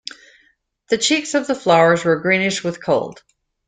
The cheeks of the flowers were greenish with cold.